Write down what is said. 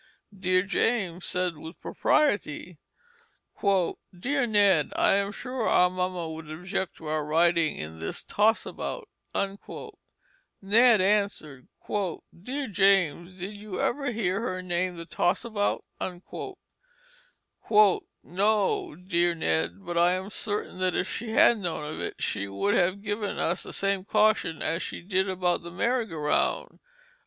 Dear James said with propriety, "Dear Ned, I am sure our mamma would object to our riding in this Toss about." Ned answered, "Dear James, did you ever hear her name the Toss about?" "No, dear Ned, but I am certain that if she had known of it she would have given us the same caution as she did about the Merry go round."